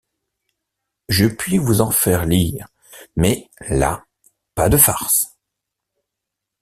Je puis vous en faire lire ; mais, là, pas de farce!